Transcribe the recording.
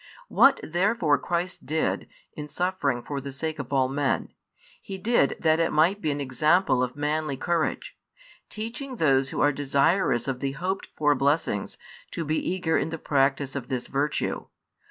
What therefore Christ did, in suffering for the sake of all men, He did that it might be an example of manly courage; teaching those who are desirous of the hoped for blessings to be eager in the practice of this virtue.